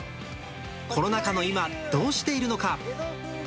コロナ禍の今、どうしているのか。